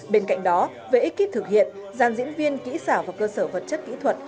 bên cạnh đó về ekip thực hiện giàn diễn viên kỹ xảo và cơ sở vật chất kỹ thuật